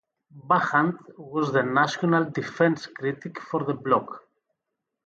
Bachand was the National Defence critic for the Bloc.